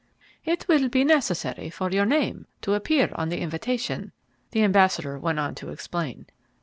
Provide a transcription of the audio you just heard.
"It will be necessary for your name to appear on the invitation," the ambassador went on to explain.